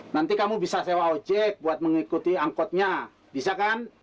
nanti kamu bisa sewa ojek buat mengikuti angkotnya bisa kan